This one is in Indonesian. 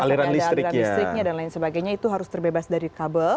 karena ada aliran listriknya dan lain sebagainya itu harus terbebas dari kabel